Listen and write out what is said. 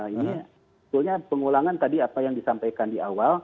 ini sebetulnya pengulangan tadi apa yang disampaikan di awal